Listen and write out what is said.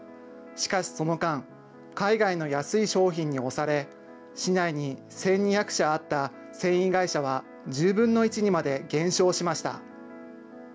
しかしその間、海外の安い商品に押され、市内に１２００社あった繊維会社は１０分の１にまで減少しました。